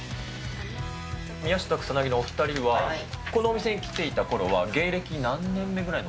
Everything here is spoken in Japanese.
宮下草薙のお２人は、このお店に来ていたころは芸歴何年目ぐ